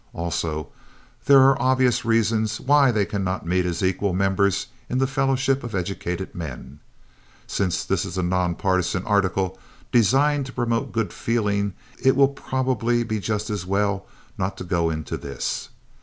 Also, there are obvious reasons why they cannot meet as equal members in the fellowship of educated men. Since this is a nonpartisan article designed to promote good feeling it will probably be just as well not to go into this.